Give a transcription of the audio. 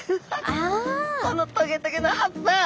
このトゲトゲの葉っぱ。